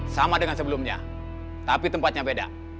sama dengan sebelumnya tapi tempatnya beda